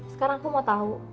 sekarang aku mau tau